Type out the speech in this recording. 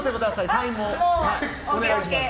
サインもお願いします。